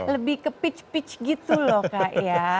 lebih ke peach pitch gitu loh kak ya